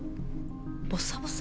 ボサボサ？